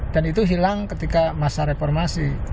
dan itu hilang ketika masa reformasi